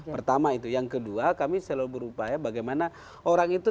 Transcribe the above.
pertama itu yang kedua kami selalu berupaya bagaimana orang itu